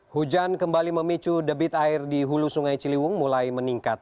hujan kembali memicu debit air di hulu sungai ciliwung mulai meningkat